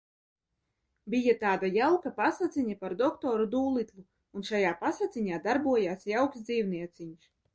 Bija tāda jauka pasaciņa par doktoru Dūlitlu, un šajā pasaciņā darbojās jauks dzīvnieciņš.